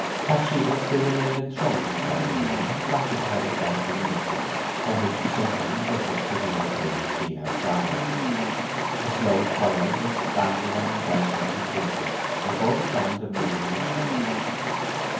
Bathsheba still remained enthroned inside the window, and occupied herself in knitting, from which she sometimes looked up to view the fading scene outside. The slow twilight expanded and enveloped them completely before the signs of moving were shown.